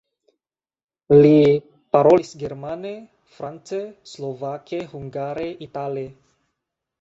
Li parolis germane, france, slovake, hungare, itale.